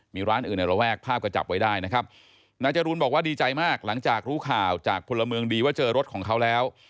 มีร้านอื่นในระแวกภาพก็จับไว้ได้นะครับนายจรูนบอกว่าดีใจมากหลังจากรู้ข่าวจากพลเมืองดีว่าเจอรถของเขาแล้ว